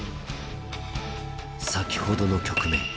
先ほどの局面。